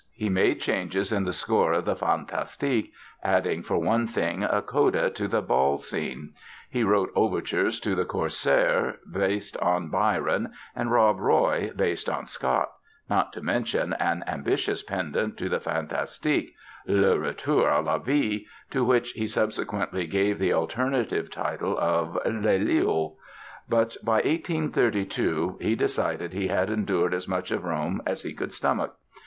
He made changes in the score of the "Fantastique" adding, for one thing, a coda to the Ball Scene; he wrote overtures to "The Corsair", based on Byron, and "Rob Roy" based on Scott, not to mention an ambitious pendant to the "Fantastique", "Le Retour à la Vie", to which he subsequently gave the alternative title of "Lélio". But by 1832 he decided he had endured as much of Rome as he could stomach.